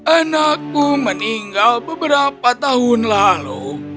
anakku meninggal beberapa tahun lalu